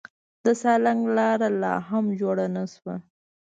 د سالنګ لار لا هم جوړه نه شوه.